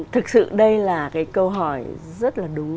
thực sự đây là cái câu hỏi rất là đúng